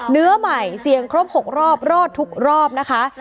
เนื้อใหม่เสี่ยงครบ๖รอบรอดทุกรอบนะคะ